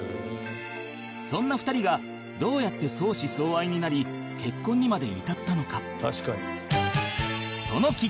そんな２人がどうやって相思相愛になり結婚にまで至ったのか？